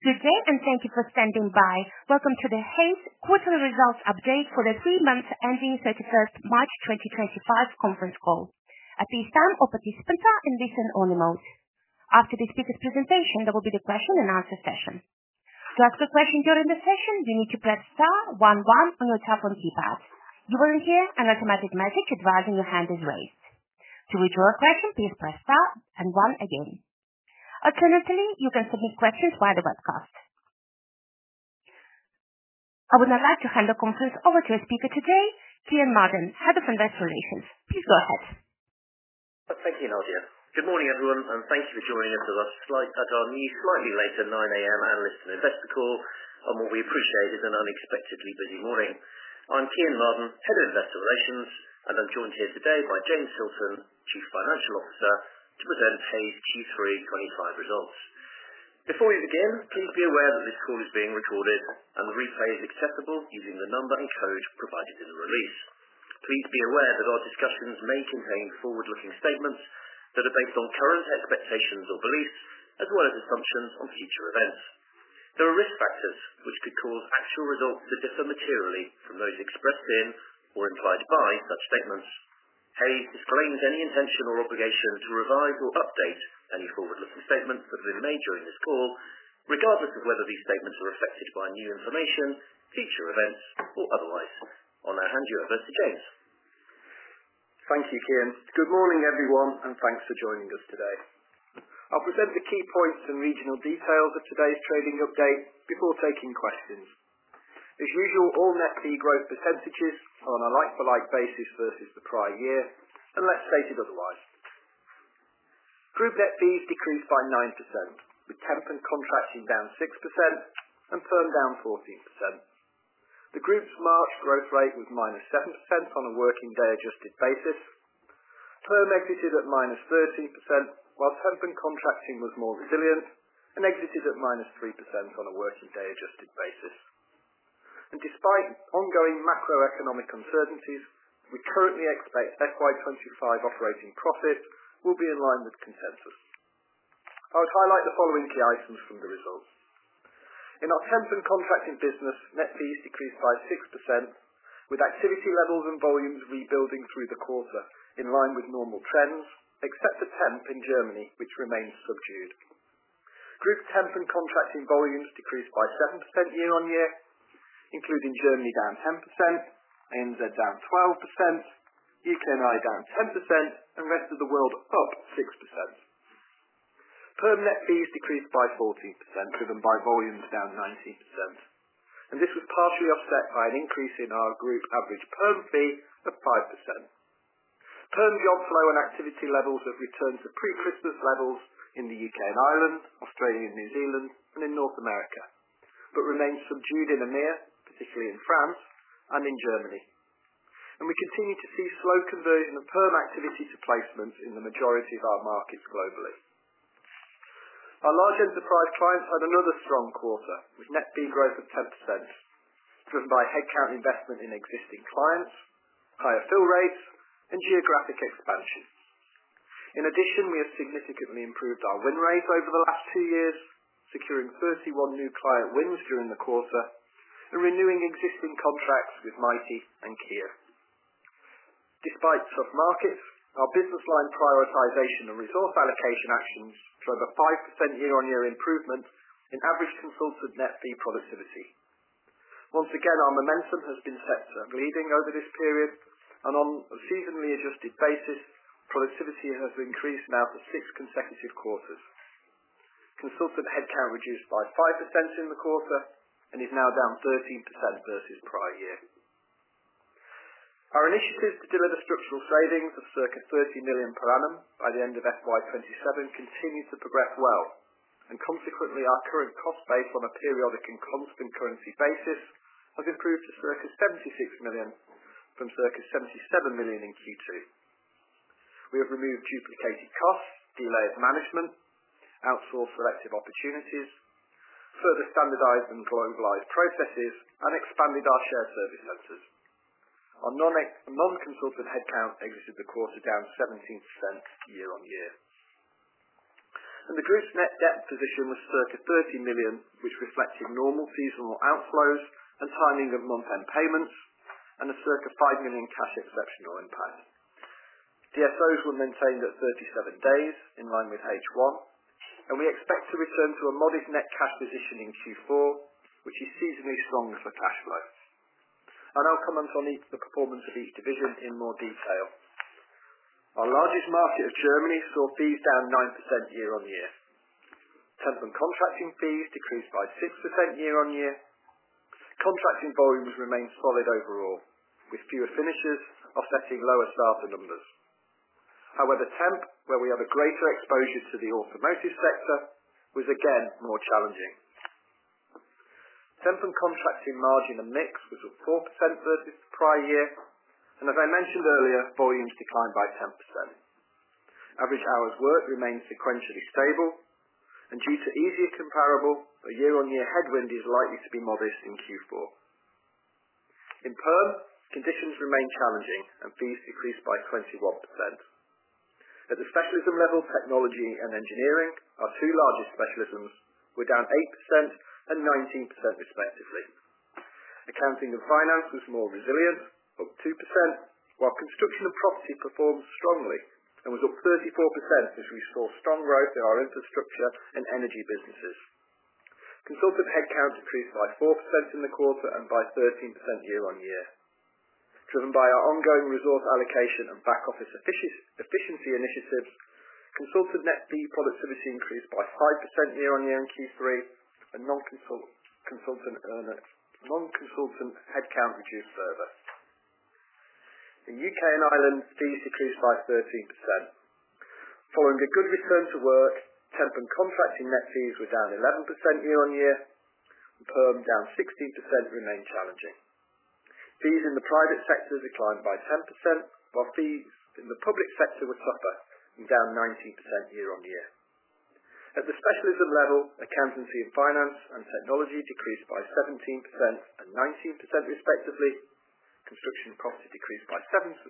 Good day, and thank you for standing by. Welcome to the Hays Quarterly Results Update for the three months ending March 31, 2025 conference call. At this time, all participants are in listen-only mode. After the speaker's presentation, there will be the Q&A session. To ask a question during the session, you need to press star one one on your telephone keypad. You will then hear an automatic message advising your hand is raised. To withdraw a question, please press star one again. Alternatively, you can submit questions via the webcast. I would now like to hand the conference over to our speaker today, Kean Marden, Head of Investor Relations. Please go ahead. Thank you, Nadia. Good morning, everyone, and thank you for joining us at our new, slightly later 9:00 A.M. analyst and investor call on what we appreciate is an unexpectedly busy morning. I'm Kean Marden, Head of Investor Relations, and I'm joined here today by James Hilton, Chief Financial Officer, to present Hays Q3/2025 results. Before we begin, please be aware that this call is being recorded and the replay is accessible using the number and code provided in the release. Please be aware that our discussions may contain forward-looking statements that are based on current expectations or beliefs, as well as assumptions on future events. There are risk factors which could cause actual results to differ materially from those expressed in or implied by such statements. Hays disclaims any intention or obligation to revise or update any forward-looking statements that have been made during this call, regardless of whether these statements are affected by new information, future events, or otherwise. I'll now hand you over to Mr. James. Thank you, Kean. Good morning, everyone, and thanks for joining us today. I'll present the key points and regional details of today's trading update before taking questions. As usual, all net fee growth percentages are on a like-for-like basis versus the prior year, unless stated otherwise. Group net fees decreased by 9%, with temp and contracting down 6% and perm down 14%. The group's March growth rate was minus 7% on a working-day-adjusted basis. Perm exited at minus 13%, while temp and contracting was more resilient and exited at minus 3% on a working-day-adjusted basis. Despite ongoing macroeconomic uncertainties, we currently expect FY 2025 operating profit will be in line with consensus. I would highlight the following key items from the results. In our temp and contracting business, net fees decreased by 6%, with activity levels and volumes rebuilding through the quarter in line with normal trends, except for temp in Germany, which remained subdued. Group temp and contracting volumes decreased by 7% year-on-year, including Germany down 10%, ANZ down 12%, U.K. and Ireland down 10%, and Rest of the World up 6%. Perm net fees decreased by 14%, driven by volumes down 19%. This was partially offset by an increase in our group average perm fee of 5%. Perm job flow and activity levels have returned to pre-Christmas levels in the U.K. and Ireland, Australia and New Zealand, and in North America, but remained subdued in EMEA, particularly in France and in Germany. We continue to see slow conversion of perm activity to placements in the majority of our markets globally. Our large enterprise clients had another strong quarter with net fee growth of 10%, driven by headcount investment in existing clients, higher fill rates, and geographic expansion. In addition, we have significantly improved our win rate over the last two years, securing 31 new client wins during the quarter and renewing existing contracts with Mitie and Kia. Despite soft markets, our business line prioritization and resource allocation actions drove a 5% year-on-year improvement in average consultant net fee productivity. Once again, our momentum has been sector leading over this period, and on a seasonally adjusted basis, productivity has increased now for six consecutive quarters. Consultant headcount reduced by 5% in the quarter and is now down 13% versus prior year. Our initiatives to deliver structural savings of circa 30 million per annum by the end of FY2027 continue to progress well, and consequently, our current cost base on a periodic and constant currency basis has improved to circa 76 million from circa 77 million in Q2. We have removed duplicated costs, delayed management, outsourced selective opportunities, further standardized and globalized processes, and expanded our shared service centers. Our non-consultant headcount exited the quarter down 17% year-on-year. The group's net debt position was circa 30 million, which reflected normal seasonal outflows and timing of month-end payments, and a circa 5 million cash exceptional impact. DSOs were maintained at 37 days in line with H1. We expect to return to a modest net cash position in Q4, which is seasonally strong for cash flow. I will comment on the performance of each division in more detail. Our largest market of Germany saw fees down 9% year-on-year. Temp and contracting fees decreased by 6% year-on-year. Contracting volumes remained solid overall, with fewer finishers offsetting lower starter numbers. However, temp, where we have a greater exposure to the automotive sector, was again more challenging. Temp and contracting margin and mix was at 4% versus prior year, and as I mentioned earlier, volumes declined by 10%. Average hours worked remained sequentially stable, and due to easier comparable, the year-on-year headwind is likely to be modest in Q4. In perm, conditions remain challenging, and fees decreased by 21%. At the specialism level, technology and engineering, our two largest specialisms were down 8% and 19% respectively. Accounting and finance was more resilient, up 2%, while construction and property performed strongly and was up 34% as we saw strong growth in our infrastructure and energy businesses. Consultant headcount decreased by 4% in the quarter and by 13% year-on-year. Driven by our ongoing resource allocation and back-office efficiency initiatives, consultant net fee productivity increased by 5% year-on-year in Q3, and non-consultant headcount reduced further. In U.K. and Ireland, fees decreased by 13%. Following a good return to work, temp and contracting net fees were down 11% year-on-year, and perm down 16% remained challenging. Fees in the private sector declined by 10%, while fees in the public sector were tougher and down 19% year-on-year. At the specialism level, accountancy and finance and technology decreased by 17% and 19% respectively. Construction and property decreased by 7%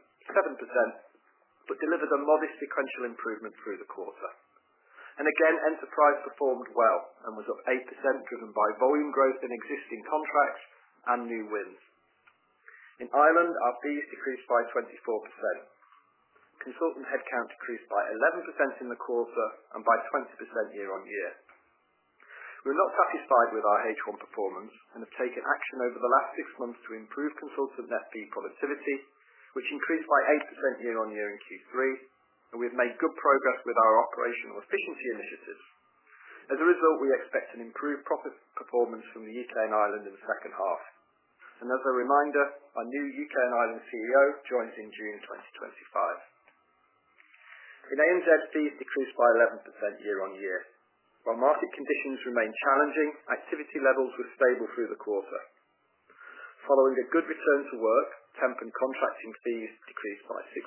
but delivered a modest sequential improvement through the quarter. Enterprise performed well and was up 8%, driven by volume growth in existing contracts and new wins. In Ireland, our fees decreased by 24%. Consultant headcount decreased by 11% in the quarter and by 20% year-on-year. We are not satisfied with our H1 performance and have taken action over the last six months to improve consultant net fee productivity, which increased by 8% year-on-year in Q3, and we have made good progress with our operational efficiency initiatives. As a result, we expect an improved profit performance from the U.K. and Ireland in the second half. As a reminder, our new U.K. and Ireland CEO joins in June 2025. In ANZ, fees decreased by 11% year-on-year. While market conditions remained challenging, activity levels were stable through the quarter. Following a good return to work, temp and contracting fees decreased by 6%.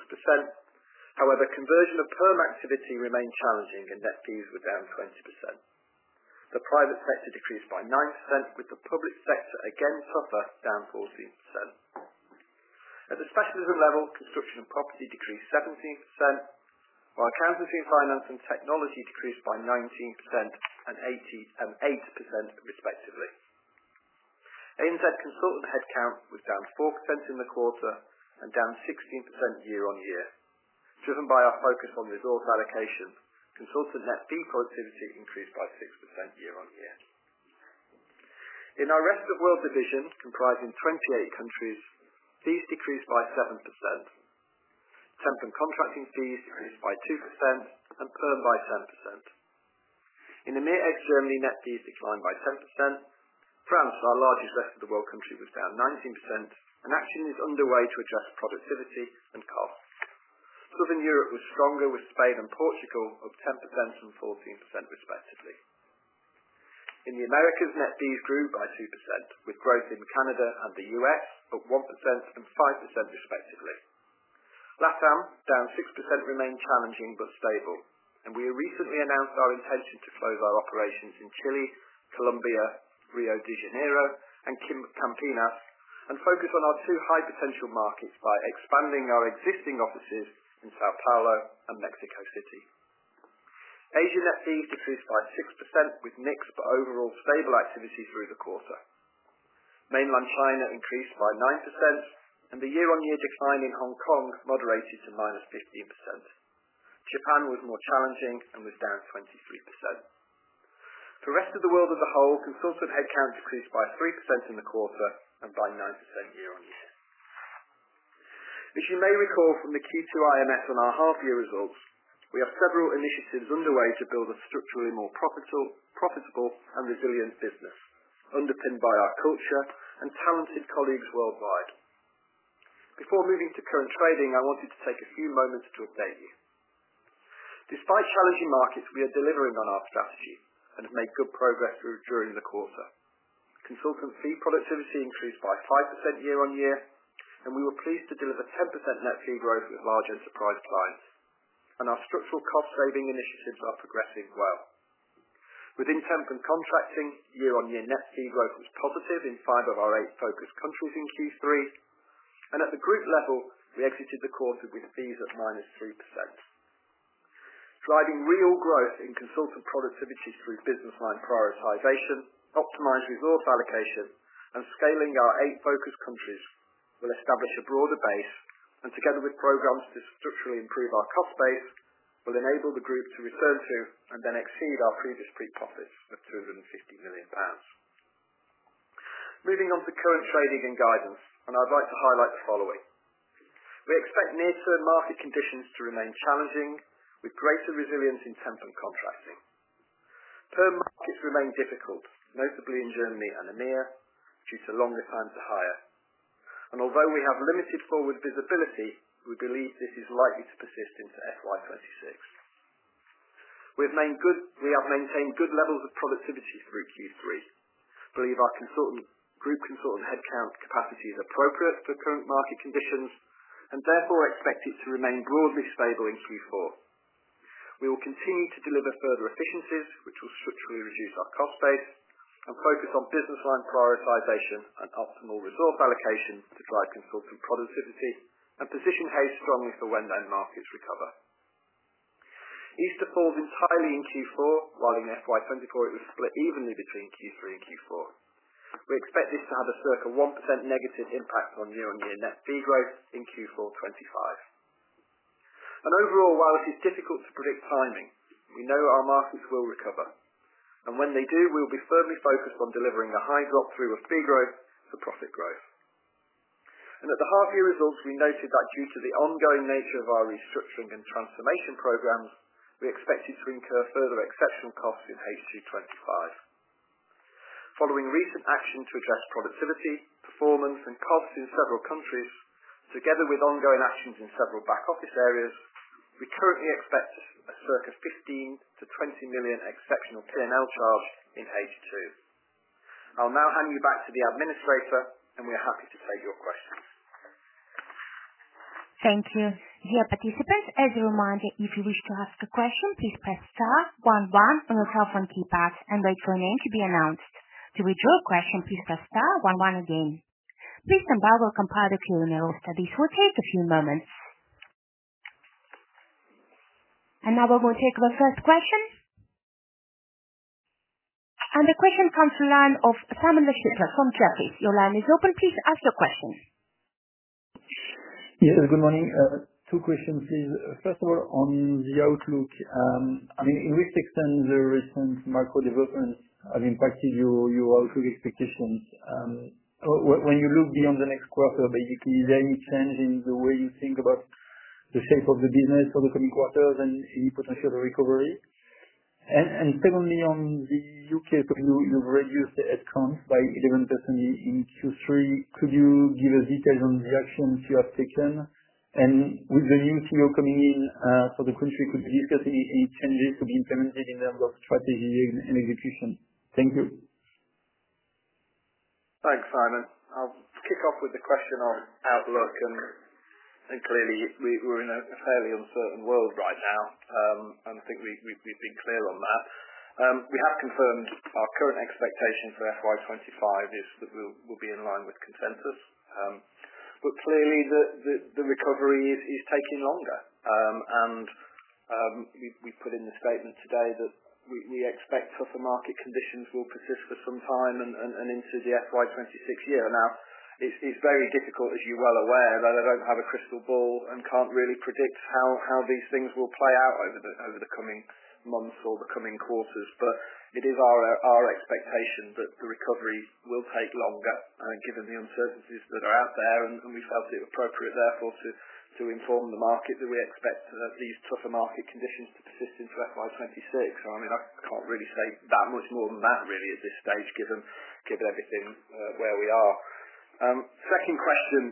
However, conversion of perm activity remained challenging, and net fees were down 20%. The private sector decreased by 9%, with the public sector again tougher, down 14%. At the specialism level, construction and property decreased 17%, while accountancy and finance and technology decreased by 19% and 8% respectively. ANZ consultant headcount was down 4% in the quarter and down 16% year-on-year. Driven by our focus on resource allocation, consultant net fee productivity increased by 6% year-on-year. In our Rest of World division, comprising 28 countries, fees decreased by 7%. Temp and contracting fees decreased by 2% and perm by 10%. In EMEA ex-Germany, net fees declined by 10%. France, our largest rest-of-the-world country, was down 19%, and action is underway to address productivity and costs. Southern Europe was stronger, with Spain and Portugal up 10% and 14% respectively. In the Americas, net fees grew by 2%, with growth in Canada and the U.S. up 1% and 5% respectively. LatAm down 6% remained challenging but stable, and we have recently announced our intention to close our operations in Chile, Colombia, Rio de Janeiro, and Campinas, and focus on our two high-potential markets by expanding our existing offices in São Paulo and Mexico City. Asia net fees decreased by 6%, with mixed but overall stable activity through the quarter. Mainland China increased by 9%, and the year-on-year decline in Hong Kong moderated to -15%. Japan was more challenging and was down 23%. For rest of the world as a whole, consultant headcount decreased by 3% in the quarter and by 9% year-on-year. As you may recall from the Q2 IMS on our half-year results, we have several initiatives underway to build a structurally more profitable and resilient business, underpinned by our culture and talented colleagues worldwide. Before moving to current trading, I wanted to take a few moments to update you. Despite challenging markets, we are delivering on our strategy and have made good progress during the quarter. Consultant fee productivity increased by 5% year-on-year, and we were pleased to deliver 10% net fee growth with large enterprise clients, and our structural cost-saving initiatives are progressing well. Within temp and contracting, year-on-year net fee growth was positive in five of our eight focus countries in Q3, and at the group level, we exited the quarter with fees at -3%. Driving real growth in consultant productivity through business line prioritization, optimized resource allocation, and scaling our eight focus countries will establish a broader base, and together with programs to structurally improve our cost base, will enable the group to return to and then exceed our previous peak profits of 250 million pounds. Moving on to current trading and guidance, and I'd like to highlight the following. We expect near-term market conditions to remain challenging, with greater resilience in temp and contracting. Perm markets remain difficult, notably in Germany and EMEA, due to longer time to hire. Although we have limited forward visibility, we believe this is likely to persist into FY 2026. We have maintained good levels of productivity through Q3, believe our group consultant headcount capacity is appropriate for current market conditions, and therefore expect it to remain broadly stable in Q4. We will continue to deliver further efficiencies, which will structurally reduce our cost base, and focus on business line prioritization and optimal resource allocation to drive consultant productivity and position Hays strongly for when markets recover. Easter falls entirely in Q4, while in FY 2024 it was split evenly between Q3 and Q4. We expect this to have a circa 1% negative impact on year-on-year net fee growth in Q4 2025. Overall, while it is difficult to predict timing, we know our markets will recover, and when they do, we will be firmly focused on delivering a high drop-through of fee growth for profit growth. At the half-year results, we noted that due to the ongoing nature of our restructuring and transformation programs, we expected to incur further exceptional costs in H2 2025. Following recent action to address productivity, performance, and costs in several countries, together with ongoing actions in several back-office areas, we currently expect a circa 15-20 million exceptional P&L charge in H2. I'll now hand you back to the administrator, and we are happy to take your questions. Thank you. Dear participants, as a reminder, if you wish to ask a question, please press star one one on your cell phone keypad and wait for a name to be announced. To withdraw a question, please press star one one again. Please stand by while we compile a Q&A list. This will take a few moments. We are going to take the first question. The question comes from the line of Simon Fitzgerald from Jefferies. Your line is open. Please ask your question. Yes, good morning. Two questions, please. First of all, on the outlook, I mean, to which extent have the recent macro developments impacted your outlook expectations? When you look beyond the next quarter, basically, is there any change in the way you think about the shape of the business for the coming quarters and any potential recovery? Secondly, on the U.K., you have reduced headcount by 11% in Q3. Could you give us details on the actions you have taken? With the new CEO coming in for the country, could you discuss any changes to be implemented in terms of strategy and execution? Thank you. Thanks, Simon. I'll kick off with the question on outlook, and clearly, we're in a fairly uncertain world right now, and I think we've been clear on that. We have confirmed our current expectation for FY 2025 is that we'll be in line with consensus. Clearly, the recovery is taking longer, and we've put in the statement today that we expect tougher market conditions will persist for some time and into the FY 2026 year. Now, it's very difficult, as you're well aware, that I don't have a crystal ball and can't really predict how these things will play out over the coming months or the coming quarters, but it is our expectation that the recovery will take longer given the uncertainties that are out there, and we felt it appropriate, therefore, to inform the market that we expect these tougher market conditions to persist into FY 2026. I mean, I can't really say that much more than that, really, at this stage, given everything where we are. Second question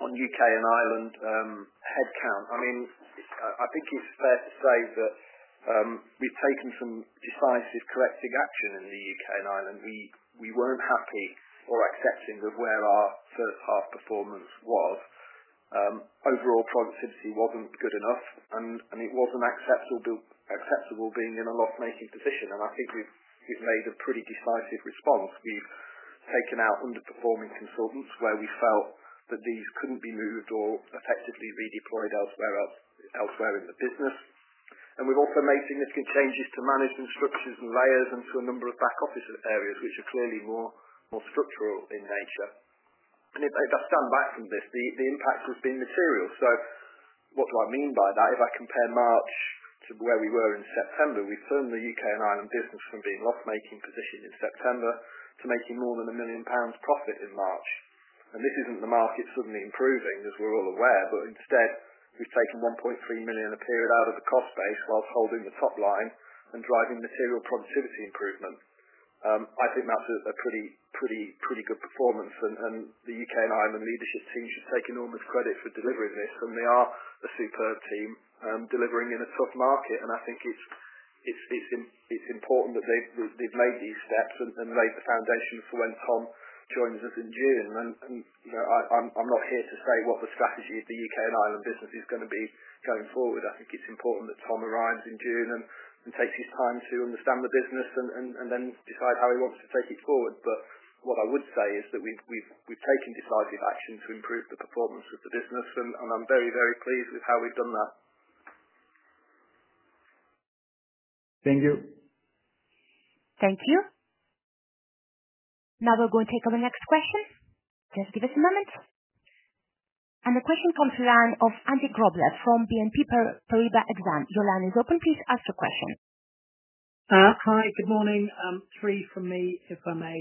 on U.K. and Ireland headcount, I mean, I think it's fair to say that we've taken some decisive corrective action in the U.K. and Ireland. We weren't happy or accepting of where our first half performance was. Overall, productivity wasn't good enough, and it wasn't acceptable being in a loss-making position, and I think we've made a pretty decisive response. We've taken out underperforming consultants where we felt that these couldn't be moved or effectively redeployed elsewhere in the business. We've also made significant changes to management structures and layers and to a number of back-office areas, which are clearly more structural in nature. If I stand back from this, the impact has been material. What do I mean by that? If I compare March to where we were in September, we've turned the U.K. and Ireland business from being loss-making position in September to making more than 1 million pounds profit in March. This isn't the market suddenly improving, as we're all aware, but instead, we've taken 1.3 million a period out of the cost base whilst holding the top line and driving material productivity improvement. I think that's a pretty good performance, and the U.K. and Ireland leadership team should take enormous credit for delivering this, and they are a superb team delivering in a tough market. I think it's important that they've made these steps and laid the foundation for when Tom joins us in June. I'm not here to say what the strategy of the U.K. and Ireland business is going to be going forward. I think it's important that Tom arrives in June and takes his time to understand the business and then decide how he wants to take it forward. What I would say is that we've taken decisive action to improve the performance of the business, and I'm very, very pleased with how we've done that. Thank you. Thank you. Now we're going to take our next question. Just give us a moment. The question comes from the line of Andy Grobler from BNP Paribas Exane. Your line is open. Please ask your question. Hi, good morning. Three from me, if I may.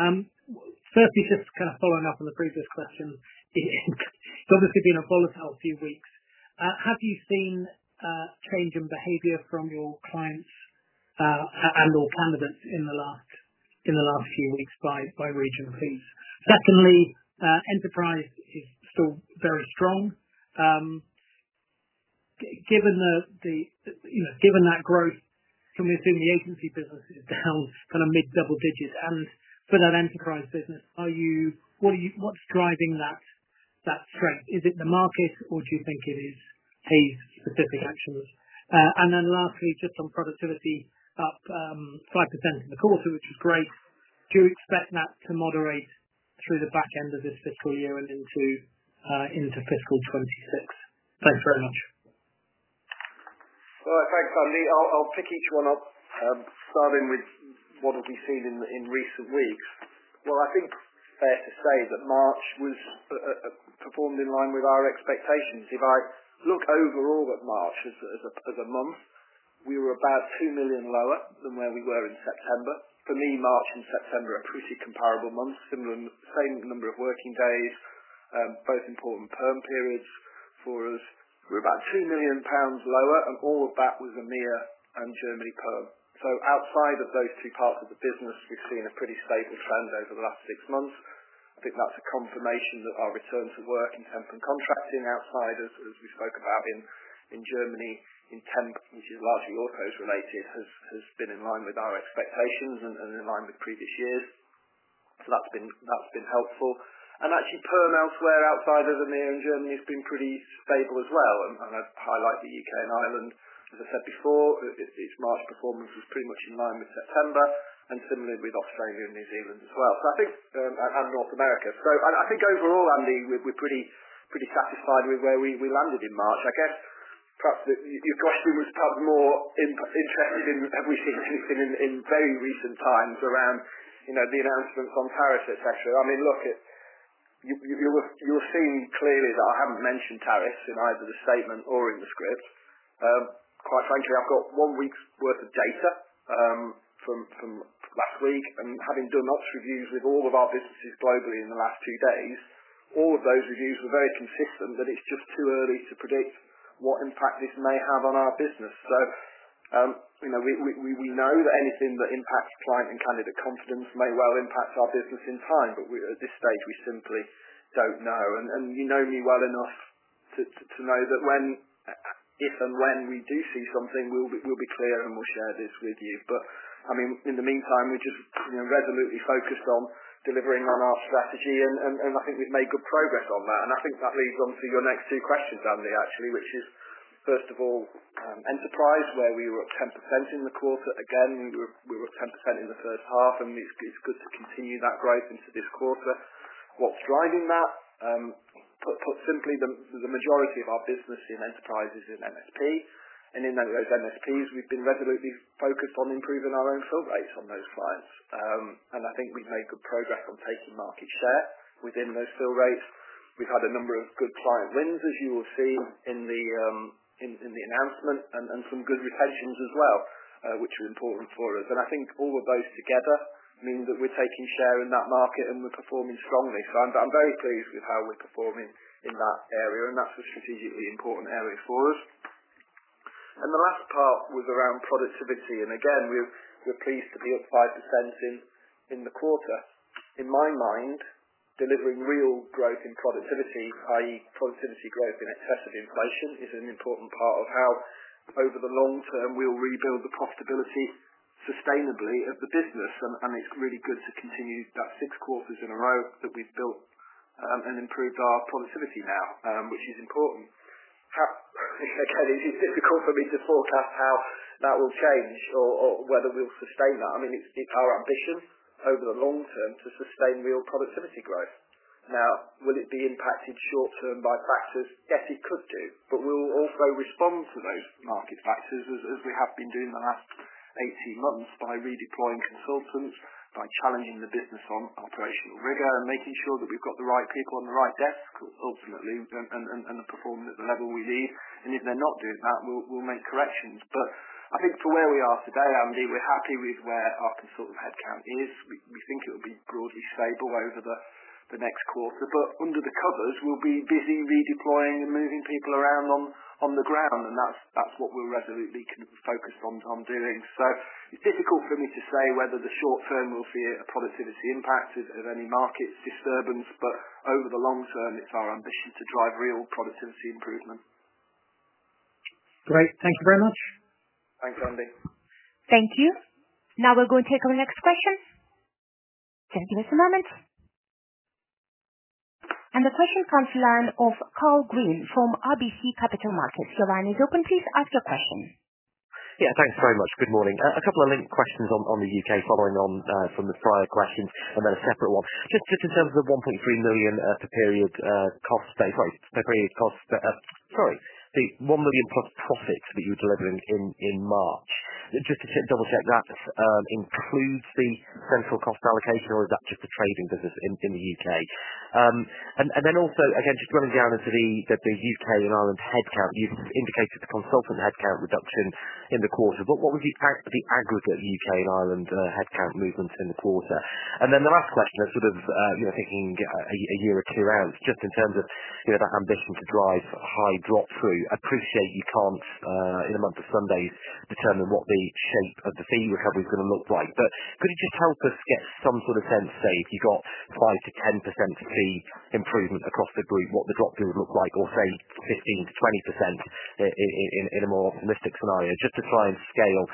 Firstly, just kind of following up on the previous question, it's obviously been a volatile few weeks. Have you seen change in behavior from your clients and/or candidates in the last few weeks by region, please? Secondly, enterprise is still very strong. Given that growth, can we assume the agency business is down kind of mid-double digits? For that enterprise business, what's driving that strength? Is it the market, or do you think it is Hays-specific actions? Lastly, just on productivity, up 5% in the quarter, which is great. Do you expect that to moderate through the back end of this fiscal year and into fiscal 2026? Thanks very much. Thanks, Andy. I'll pick each one up, starting with what have we seen in recent weeks. I think it's fair to say that March was performed in line with our expectations. If I look overall at March as a month, we were about 2 million lower than where we were in September. For me, March and September are pretty comparable months, same number of working days, both important perm periods for us. We're about 2 million pounds lower, and all of that with EMEA and Germany perm. Outside of those two parts of the business, we've seen a pretty stable trend over the last six months. I think that's a confirmation that our return to work in temp and contracting outsiders, as we spoke about in Germany, in temp, which is largely autos-related, has been in line with our expectations and in line with previous years. That's been helpful. Actually, perm elsewhere outside of EMEA and Germany has been pretty stable as well. I'd highlight the U.K. and Ireland. As I said before, March performance was pretty much in line with September, and similarly with Australia and New Zealand as well. I think, and North America. I think overall, Andy, we're pretty satisfied with where we landed in March. I guess perhaps your question was perhaps more interested in, have we seen anything in very recent times around the announcements on tariffs, etc.? I mean, look, you'll have seen clearly that I haven't mentioned tariffs in either the statement or in the script. Quite frankly, I've got one week's worth of data from last week, and having done ops reviews with all of our businesses globally in the last two days, all of those reviews were very consistent that it's just too early to predict what impact this may have on our business. We know that anything that impacts client and candidate confidence may well impact our business in time, but at this stage, we simply don't know. You know me well enough to know that if and when we do see something, we'll be clear and we'll share this with you. I mean, in the meantime, we're just resolutely focused on delivering on our strategy, and I think we've made good progress on that. I think that leads on to your next two questions, Andy, actually, which is, first of all, enterprise, where we were at 10% in the quarter. Again, we were at 10% in the first half, and it's good to continue that growth into this quarter. What's driving that? Put simply, the majority of our business in enterprise is in MSP, and in those MSPs, we've been resolutely focused on improving our own fill rates on those clients. I think we've made good progress on taking market share within those fill rates. We've had a number of good client wins, as you will see in the announcement, and some good retentions as well, which are important for us. I think all of those together mean that we're taking share in that market and we're performing strongly. I'm very pleased with how we're performing in that area, and that's a strategically important area for us. The last part was around productivity. Again, we're pleased to be up 5% in the quarter. In my mind, delivering real growth in productivity, i.e., productivity growth in excess of inflation, is an important part of how, over the long term, we'll rebuild the profitability sustainably of the business. It's really good to continue that six quarters in a row that we've built and improved our productivity now, which is important. Again, it's difficult for me to forecast how that will change or whether we'll sustain that. I mean, it's our ambition over the long term to sustain real productivity growth. Now, will it be impacted short term by factors? Yes, it could do, but we'll also respond to those market factors, as we have been doing the last 18 months, by redeploying consultants, by challenging the business on operational rigor, and making sure that we've got the right people on the right desk, ultimately, and they're performing at the level we need. If they're not doing that, we'll make corrections. I think for where we are today, Andy, we're happy with where our consultant headcount is. We think it will be broadly stable over the next quarter, but under the covers, we'll be busy redeploying and moving people around on the ground, and that's what we're resolutely focused on doing. It's difficult for me to say whether the short term we'll see a productivity impact of any market disturbance, but over the long term, it's our ambition to drive real productivity improvement. Great. Thank you very much. Thanks, Andy. Thank you. Now we're going to take our next question. Just give us a moment. The question comes from the line of Karl Green from RBC Capital Markets. Your line is open. Please ask your question. Yeah, thanks very much. Good morning. A couple of linked questions on the U.K. following on from the prior questions, and then a separate one. Just in terms of the 1.3 million per period cost, sorry, per period cost, sorry, the 1 million plus profit that you were delivering in March. Just to double-check, that includes the central cost allocation, or is that just the trading business in the U.K.? Also, again, just running down into the U.K. and Ireland headcount, you've indicated the consultant headcount reduction in the quarter. What was the aggregate U.K. and Ireland headcount movement in the quarter? The last question, sort of thinking a year or two out, just in terms of that ambition to drive high drop-through, I appreciate you can't, in a month of Sundays, determine what the shape of the fee recovery is going to look like. Could you just help us get some sort of sense, say, if you got 5%-10% fee improvement across the group, what the drop-through would look like, or say 15%-20% in a more optimistic scenario? Just to try and scale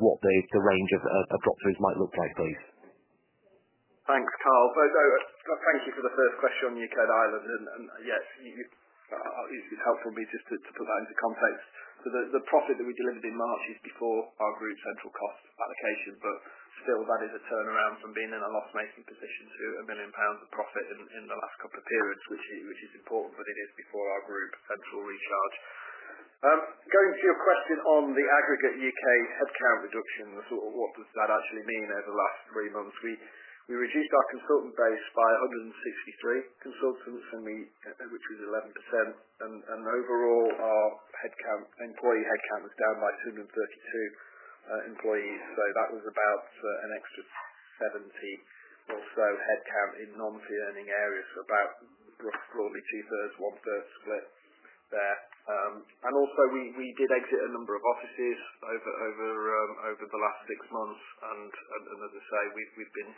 what the range of drop-throughs might look like, please. Thanks, Karl. Thank you for the first question on U.K. and Ireland. Yes, it's helpful for me just to put that into context. The profit that we delivered in March is before our group central cost allocation, but still, that is a turnaround from being in a loss-making position to 1 million pounds of profit in the last couple of periods, which is important, but it is before our group central recharge. Going to your question on the aggregate U.K. headcount reduction, sort of what does that actually mean over the last three months? We reduced our consultant base by 163 consultants, which was 11%. Overall, our employee headcount was down by 232 employees. That was about an extra 70 or so headcount in non-fee-earning areas, so about roughly 2/3, 1/3 split there. We did exit a number of offices over the last six months. As I say, we have been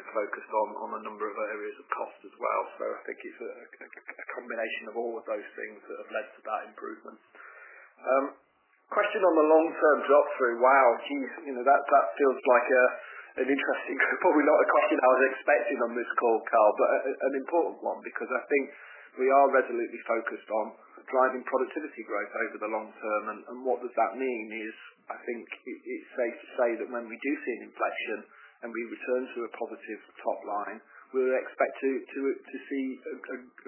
focused on a number of areas of cost as well. I think it is a combination of all of those things that have led to that improvement. Question on the long-term drop-through, wow, geez, that feels like an interesting question. Probably not a question I was expecting on this call, Karl, but an important one because I think we are resolutely focused on driving productivity growth over the long term. What that means is, I think it is safe to say that when we do see an inflection and we return to a positive top line, we will expect to see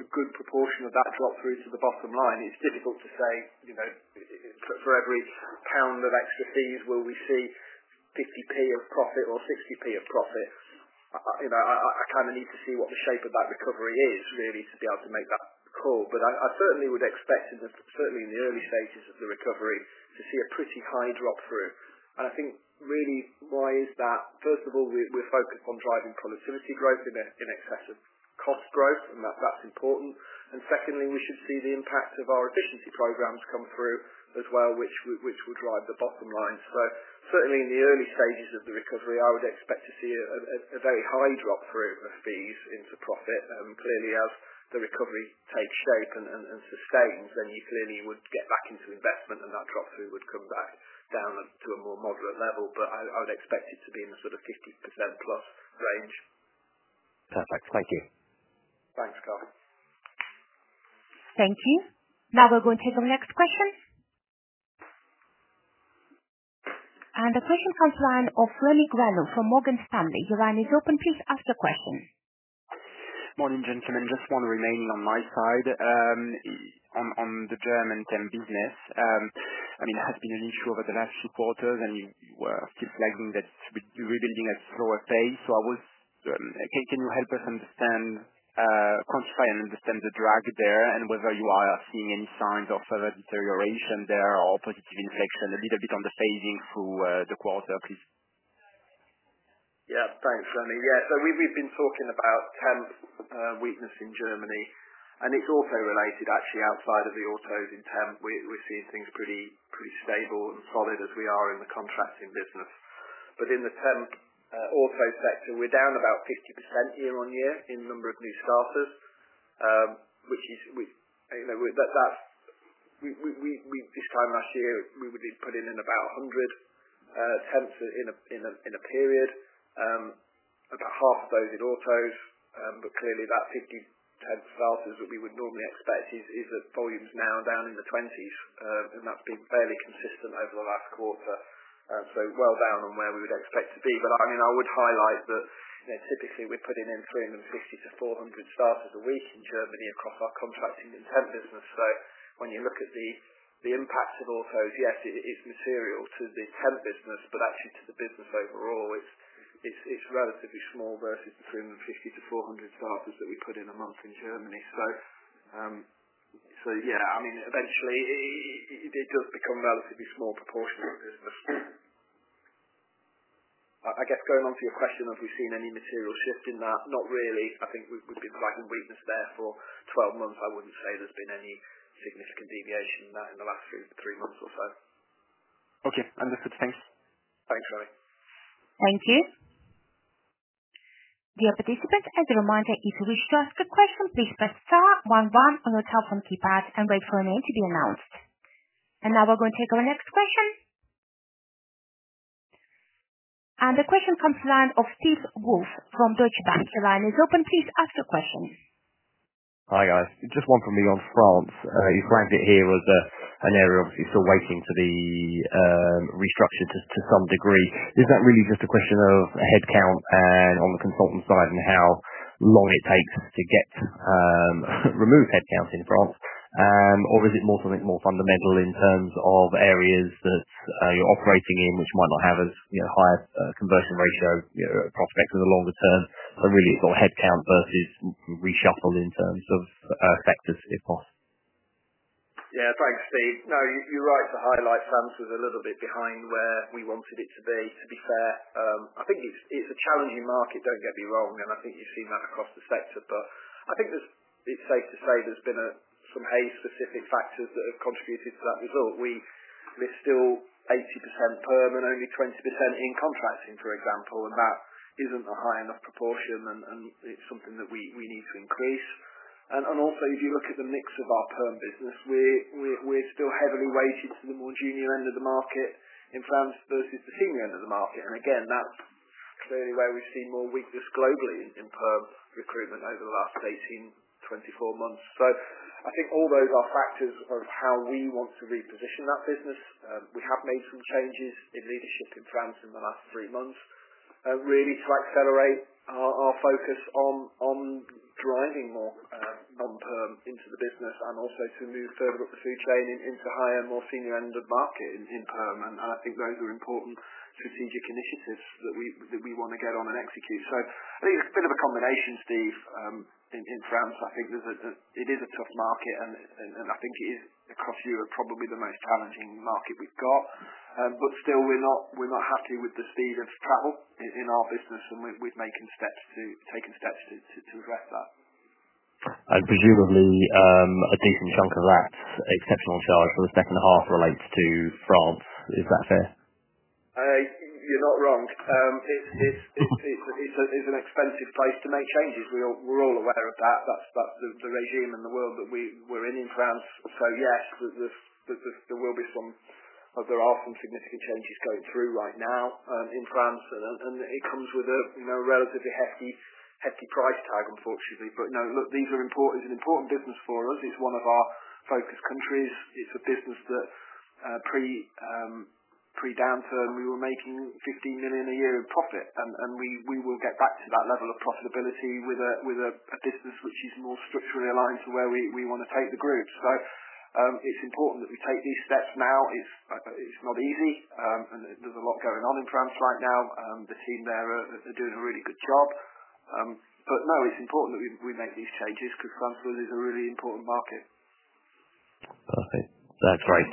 a good proportion of that drop-through to the bottom line. It's difficult to say for every pound of extra fees, will we see 50p of profit or 60p of profit? I kind of need to see what the shape of that recovery is, really, to be able to make that call. I certainly would expect, certainly in the early stages of the recovery, to see a pretty high drop-through. I think really, why is that? First of all, we're focused on driving productivity growth in excess of cost growth, and that's important. Secondly, we should see the impact of our efficiency programs come through as well, which will drive the bottom line. Certainly, in the early stages of the recovery, I would expect to see a very high drop-through of fees into profit. Clearly, as the recovery takes shape and sustains, you clearly would get back into investment, and that drop-through would come back down to a more moderate level. I would expect it to be in the sort of 50% plus range. Perfect. Thank you. Thanks, Karl. Thank you. Now we are going to take our next question. The question comes from the line of Rémi Grenu from Morgan Stanley. Your line is open. Please ask your question. Morning, gentlemen. Just one remaining on my side. On the German temp business, I mean, it has been an issue over the last two quarters, and you were still flagging that rebuilding at slower pace. Can you help us quantify and understand the drag there and whether you are seeing any signs of further deterioration there or positive inflection a little bit on the phasing through the quarter, please? Yeah, thanks, Rémi. Yeah, we've been talking about temp weakness in Germany, and it's also related, actually, outside of the autos in temp. We're seeing things pretty stable and solid as we are in the contracting business. In the temp auto sector, we're down about 50% year on year in number of new starters, which is this time last year, we would have put in about 100 temps in a period, about half of those in autos. Clearly, that 50 temp starters that we would normally expect is at volumes now down in the 20s, and that's been fairly consistent over the last quarter. Well down on where we would expect to be. I mean, I would highlight that typically, we're putting in 350 to 400 starters a week in Germany across our contracting and temp business. When you look at the impact of autos, yes, it's material to the temp business, but actually, to the business overall, it's relatively small versus the 350-400 starters that we put in a month in Germany. Yeah, I mean, eventually, it does become a relatively small proportion of the business. I guess going on to your question of if we've seen any material shift in that, not really. I think we've been driving weakness there for 12 months. I wouldn't say there's been any significant deviation in that in the last three months or so. Okay. Understood. Thanks. Thanks, Rémi. Thank you. Dear participant, as a reminder, if you wish to ask a question, please press star one one on your telephone keypad and wait for your name to be announced. We are going to take our next question. The question comes from the line of Steve Woolf from Deutsche Bank. Your line is open. Please ask your question. Hi, guys. Just one from me on France. You flagged it here as an area obviously still waiting to be restructured to some degree. Is that really just a question of headcount on the consultant side and how long it takes to get removed headcount in France, or is it more something more fundamental in terms of areas that you're operating in which might not have as high a conversion ratio prospects in the longer term? Really, it's all headcount versus reshuffle in terms of sectors, if possible. Yeah, thanks, Steve. No, you're right to highlight France was a little bit behind where we wanted it to be, to be fair. I think it's a challenging market, don't get me wrong, and I think you've seen that across the sector. I think it's safe to say there's been some Hays-specific factors that have contributed to that result. We're still 80% perm, and only 20% in contracting, for example, and that isn't a high enough proportion, and it's something that we need to increase. Also, if you look at the mix of our perm business, we're still heavily weighted to the more junior end of the market in France versus the senior end of the market. Again, that's clearly where we've seen more weakness globally in perm recruitment over the last 18-24 months. I think all those are factors of how we want to reposition that business. We have made some changes in leadership in France in the last three months, really to accelerate our focus on driving more non-perm into the business and also to move further up the food chain into higher, more senior end of market in perm. I think those are important strategic initiatives that we want to get on and execute. I think it is a bit of a combination, Steve. In France, I think it is a tough market, and I think it is, across Europe, probably the most challenging market we've got. Still, we're not happy with the speed of travel in our business, and we're making steps to take steps to address that. Presumably, a decent chunk of that exceptional charge for the second half relates to France. Is that fair? You're not wrong. It's an expensive place to make changes. We're all aware of that. That's the regime and the world that we're in in France. Yes, there are some significant changes going through right now in France, and it comes with a relatively hefty price tag, unfortunately. No, look, it's an important business for us. It's one of our focus countries. It's a business that pre-downturn, we were making 15 million a year in profit, and we will get back to that level of profitability with a business which is more structurally aligned to where we want to take the group. It's important that we take these steps now. It's not easy, and there's a lot going on in France right now. The team there are doing a really good job. No, it's important that we make these changes because France really is a really important market. Perfect. That's great.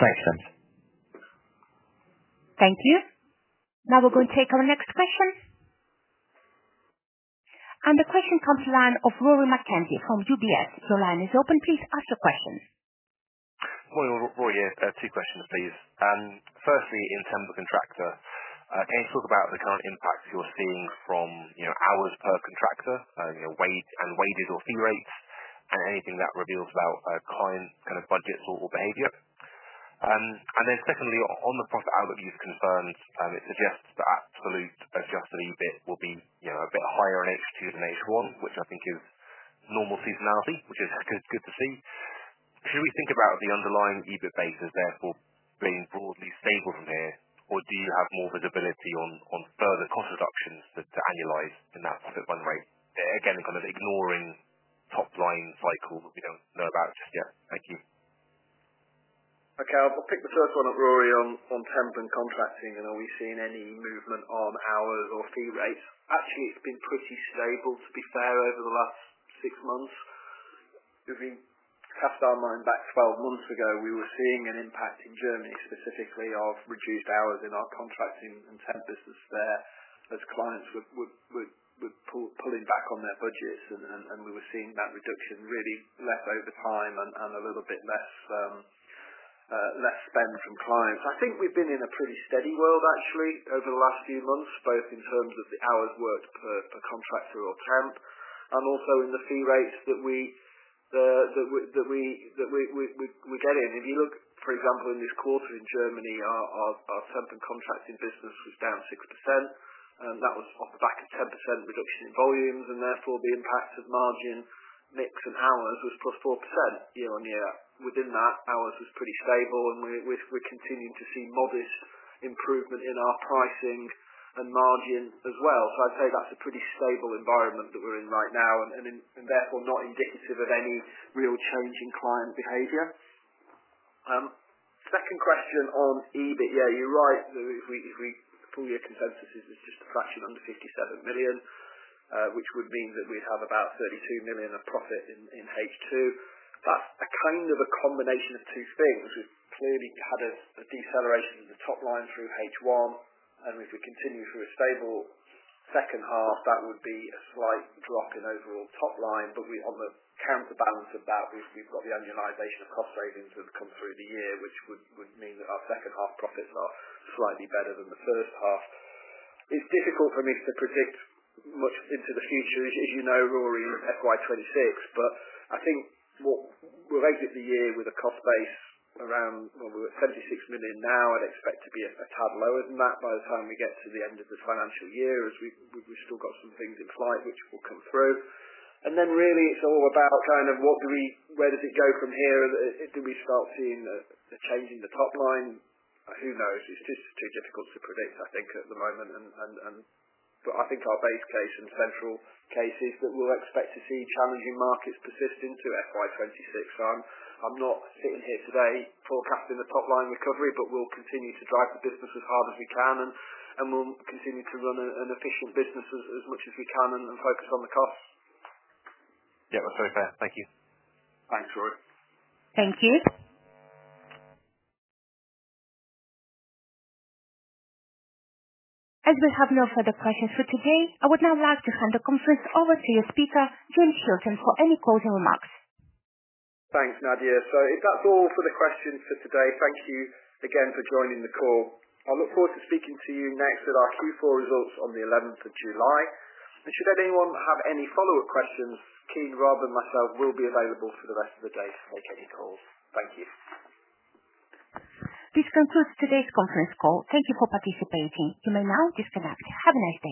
Thanks, James. Thank you. Now we're going to take our next question. The question comes from the line of Rory McKenzie from UBS. Your line is open. Please ask your question. Rory, two questions, please. Firstly, in terms of contractor, can you talk about the current impact you're seeing from hours per contractor and wages or fee rates and anything that reveals about client kind of budgets or behavior? Then secondly, on the profit outlook you've confirmed, it suggests that absolute adjusted EBIT will be a bit higher in H2 than H1, which I think is normal seasonality, which is good to see. Should we think about the underlying EBIT basis therefore being broadly stable from here, or do you have more visibility on further cost reductions to annualize in that profit run rate, again, kind of ignoring top line cycle that we don't know about just yet? Thank you. Okay, I'll pick the first one up, Rory, on temp and contracting. Are we seeing any movement on hours or fee rates? Actually, it's been pretty stable, to be fair, over the last six months. If we cast our mind back 12 months ago, we were seeing an impact in Germany specifically of reduced hours in our contracting and temp business there as clients were pulling back on their budgets, and we were seeing that reduction really less over time and a little bit less spend from clients. I think we've been in a pretty steady world, actually, over the last few months, both in terms of the hours worked per contractor or temp and also in the fee rates that we're getting. If you look, for example, in this quarter in Germany, our temp and contracting business was down 6%, and that was off the back of 10% reduction in volumes, and therefore, the impact of margin mix and hours was plus 4% year on year. Within that, hours was pretty stable, and we're continuing to see modest improvement in our pricing and margin as well. I'd say that's a pretty stable environment that we're in right now and therefore not indicative of any real change in client behaviour. Second question on EBIT, yeah, you're right. If we pull your consensus, it's just a fraction under 57 million, which would mean that we'd have about 32 million of profit in H2. That's kind of a combination of two things. We've clearly had a deceleration of the top line through H1, and if we continue through a stable second half, that would be a slight drop in overall top line. On the counterbalance of that, we've got the annualisation of cost savings that have come through the year, which would mean that our second half profits are slightly better than the first half. It's difficult for me to predict much into the future. As you know, Rory, FY 2026, but I think we'll exit the year with a cost base around, well, we're at 76 million now. I'd expect to be a tad lower than that by the time we get to the end of the financial year as we've still got some things in flight which will come through. It's all about kind of where does it go from here? Do we start seeing a change in the top line? Who knows? It's just too difficult to predict, I think, at the moment. I think our base case and central case is that we'll expect to see challenging markets persist into FY 2026. I'm not sitting here today forecasting the top line recovery, but we'll continue to drive the business as hard as we can, and we'll continue to run an efficient business as much as we can and focus on the costs. Yeah, that's very fair. Thank you. Thanks, Rory. Thank you. As we have no further questions for today, I would now like to hand the conference over to your speaker, James Hilton, for any closing remarks. Thanks, Nadia. That is all for the questions for today. Thank you again for joining the call. I will look forward to speaking to you next with our Q4 results on the 11th of July. Should anyone have any follow-up questions, Kean, Rob, and myself will be available for the rest of the day to take any calls. Thank you. This concludes today's conference call. Thank you for participating. You may now disconnect. Have a nice day.